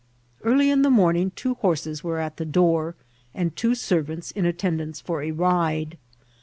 Early in the morning two horses were at the door, and two servants in attendance for a ride.